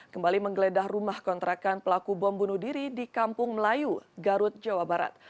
kembali menggeledah rumah kontrakan pelaku bom bunuh diri di kampung melayu garut jawa barat